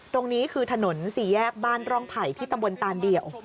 ตรงนี้คือถนนสี่แยกบ้านร่องไผ่ที่ตำบลตานเดี่ยว